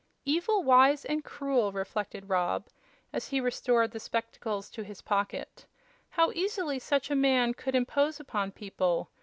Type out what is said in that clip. "Evil, wise and cruel," reflected Rob, as he restored the spectacles to his pocket. "How easily such a man could impose upon people.